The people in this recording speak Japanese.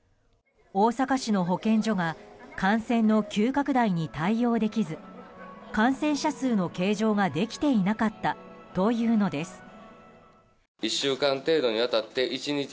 大阪市の保健所が感染の急拡大に対応できず感染者数の計上ができていなかったというのです。